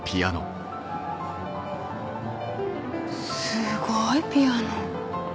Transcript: すごいピアノ。